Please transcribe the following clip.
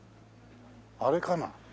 あれかな？